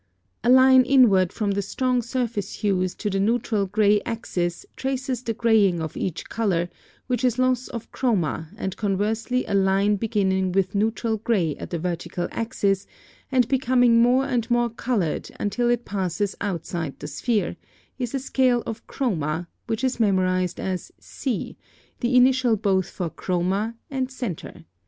A line inward from the strong surface hues to the neutral gray axis, traces the graying of each color, which is loss of chroma, and conversely a line beginning with neutral gray at the vertical axis, and becoming more and more colored until it passes outside the sphere, is a scale of chroma, which is memorized as C, the initial both for chroma and centre.